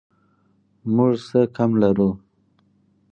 موږ څه کم لرو